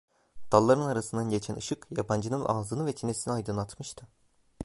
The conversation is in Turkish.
Dalların arasından geçen ışık yabancının ağzını ve çenesini aydınlatmıştı.